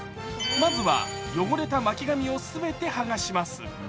まずは汚れた巻紙を全て剥がします。